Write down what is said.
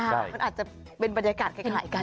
มันอาจจะเป็นบรรยากาศคล้ายกัน